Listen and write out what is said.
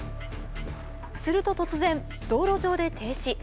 すると突然、道路上で停止。